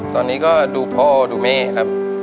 ตอนนี้ก็ดูพ่อดูแม่ครับ